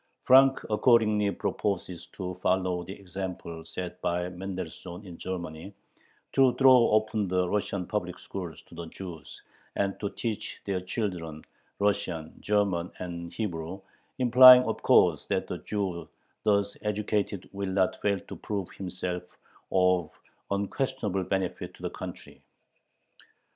Frank accordingly proposes to follow the example set by Mendelssohn in Germany, to throw open the Russian public schools to the Jews, and to teach their children Russian, German, and Hebrew, implying of course that the Jew thus educated will not fail to prove himself of unquestionable benefit to the country.